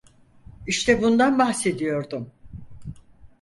İşte bundan bahsediyordum.